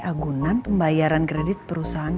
agunan pembayaran kredit perusahaan